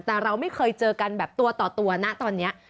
แต่เราไม่เคยเจอกันแบบตัวต่อตัวนะตอนนี้